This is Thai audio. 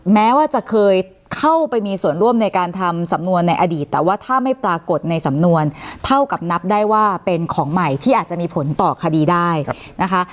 แม้ว่าจะเคยเข้าไปมีส่วนร่วมในการทำสำนวนในอดีตแต่ว่าถ้าไม่ปรากฏในสำนวนเท่ากับนับได้ว่าเป็นของใหม่ที่อาจจะมีผลต่อคดีได้นะคะ